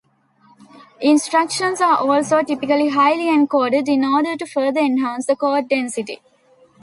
Instructions are also typically highly encoded in order to further enhance the code density.